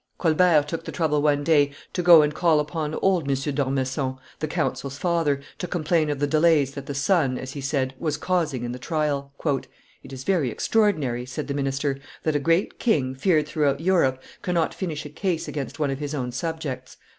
Colbert took the trouble one day to go and call upon old M. d'Ormesson, the counsel's father, to complain of the delays that the son, as he said, was causing in the trial: "It is very extraordinary," said the minister, "that a great king, feared throughout Europe, cannot finish a case against one of his own subjects."